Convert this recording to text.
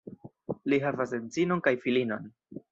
Li havas edzinon kaj filinon.